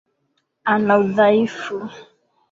Ana udhaifu.